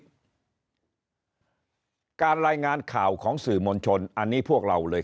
มามีอะไรอีกการรายงานข่าวของสื่อมวลชนอันนี้พวกเราเลย